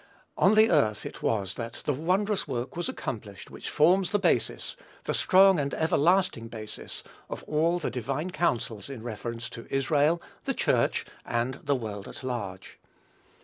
On the earth it was that the wondrous work was accomplished which forms the basis, the strong and everlasting basis, of all the divine counsels in reference to Israel, the Church, and the world at large.